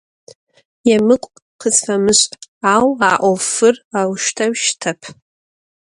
Yêmık'u khısfemış', au a 'ofır auşteu şıtep.